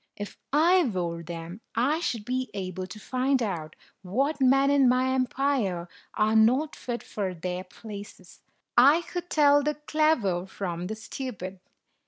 "If I wore them, I should be able to find out what men in my empire are not fit for their places ; I could tell the clever from the stupid.